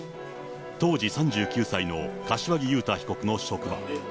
当時３９歳の柏木雄太被告の職場。